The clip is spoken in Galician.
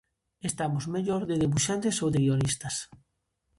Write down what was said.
Estamos mellor de debuxantes ou de guionistas?